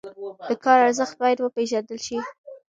د کار ارزښت باید وپېژندل شي.